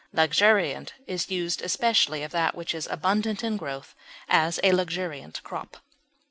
Luxuriant is used especially of that which is abundant in growth; as, a luxuriant crop.